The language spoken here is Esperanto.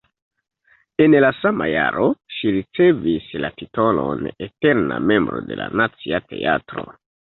En la sama jaro ŝi ricevis la titolon eterna membro de la Nacia Teatro.